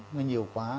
nó nhiều quá